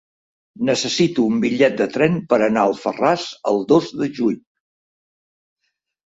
Necessito un bitllet de tren per anar a Alfarràs el dos de juny.